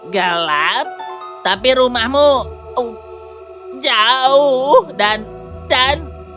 gelap tapi rumahmu jauh dan dan troll keluar